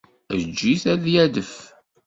Eǧǧ-it ad d-yadef.